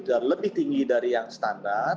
sudah lebih tinggi dari yang standar